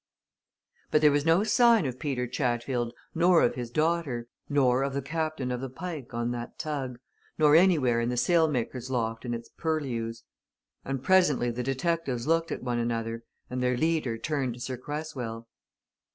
But there was no sign of Peter Chatfield, nor of his daughter, nor of the captain of the Pike on that tug, nor anywhere in the sailmaker's loft and its purlieus. And presently the detectives looked at one another and their leader turned to Sir Cresswell.